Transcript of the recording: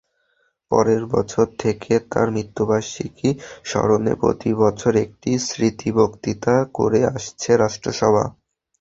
পরের বছর থেকে তাঁর মৃত্যুবার্ষিকী স্মরণে প্রতিবছর একটি স্মৃতিবক্তৃতা করে আসছে রাষ্ট্রসভা।